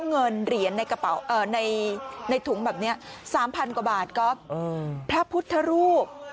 เงินเหรียญในกระเป๋าในถุงแบบนี้๓๐๐กว่าบาทก๊อฟพระพุทธรูป